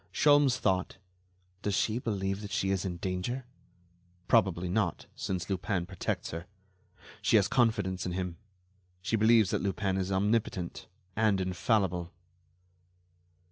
Sholmes thought: Does she believe that she is in danger? Probably not—since Lupin protects her. She has confidence in him. She believes that Lupin is omnipotent, and infallible.